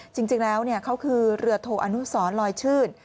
จริงแล้วเนี่ยเขาคือเรือโทกอนุสรรค์ลอยชื่น